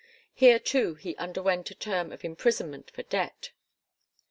Here too he underwent a term of imprisonment for debt.